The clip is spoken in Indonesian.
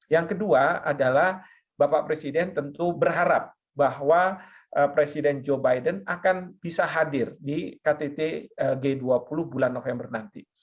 yang kedua adalah bapak presiden tentu berharap bahwa presiden joe biden akan bisa hadir di ktt g dua puluh bulan november nanti